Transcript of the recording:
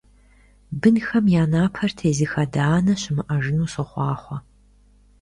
Бынхэм я напэр тезых адэ-анэ щымыӀэжыну сохъуахъуэ!